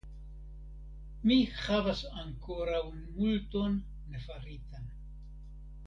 Mi havas ankoraŭ multon nefaritan.